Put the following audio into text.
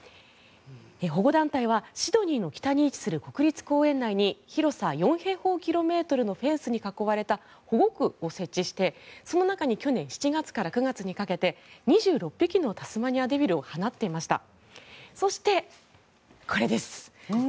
保護団体はシドニーの北に位置する国立公園内に広さ４平方キロメートルのフェンスに囲まれた保護区を設置してその中に去年７月から９月にかけて２６匹のタスマニアデビルを放っていました。